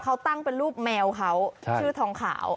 เขาตั้งเป็นรูปแมวเขาชื่อทองขาว